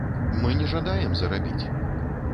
Мы не жадаем зарабіць!